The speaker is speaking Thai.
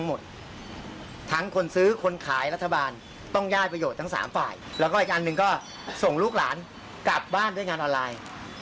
หนึ่งเขาจะจ่ายน้อย